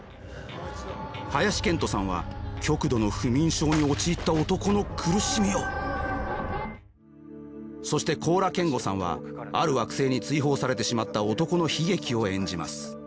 林遣都さんは極度の不眠症に陥った男の苦しみをそして高良健吾さんはある惑星に追放されてしまった男の悲劇を演じます。